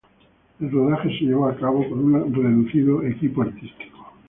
El rodaje se llevó a cabo con un reducido equipo artístico.